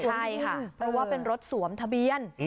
ใช่ค่ะเพราะว่าเป็นรถสวมทะเบียน